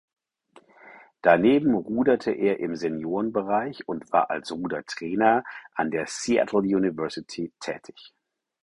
Daneben ruderte er im Seniorenbereich und war als Rudertrainer an der Seattle University tätig.